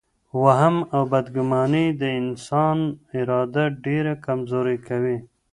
وهم او بدګماني د انسان اراده ډېره کمزورې کوي.